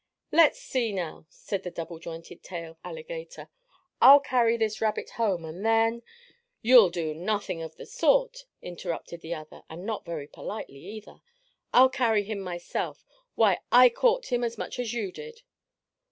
"Let's see now," said the double jointed tail alligator. "I'll carry this rabbit home, and then " "You'll do nothing of the sort!" interrupted the other, and not very politely, either. "I'll carry him myself. Why, I caught him as much as you did!"